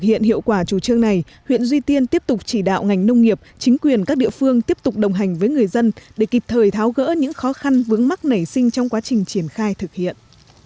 hiệu quả của mô hình góp phần nâng cao đời sinh trong quá trình triển khai thực hiện